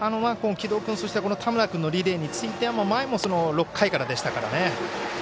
城戸君、そして田村君のリレーについては前も６回からでしたからね。